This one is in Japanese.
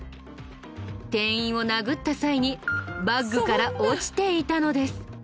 店員を殴った際にバッグから落ちていたのです。